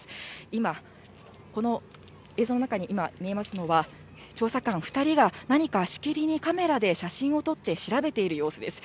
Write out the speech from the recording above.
今、この映像の中に今、見えますのは、調査官２人が何かしきりにカメラで写真を撮って調べている様子です。